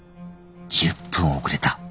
１０分遅れた。